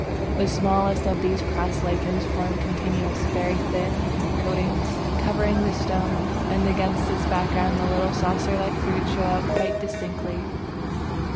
The smallest of these crust lichens form continuous, very thin, coatings, covering the stone; and against this background the little saucer like fruits show up quite distinctly.